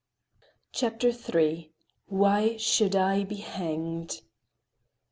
CHAPTER III WHY SHOULD I BE HANGED?